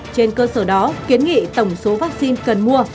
trên cơ sở đó kiến nghị tổng số vaccine cần mua